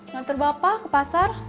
ngantur bapak ke pasar